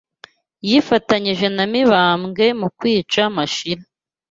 yifatanyije na Mibambwe I mu kwica Mashira